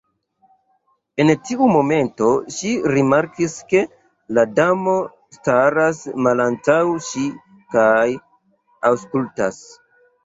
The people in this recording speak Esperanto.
En tiu momento ŝi rimarkis ke la Damo staras malantaŭ ŝi kaj aŭskultas.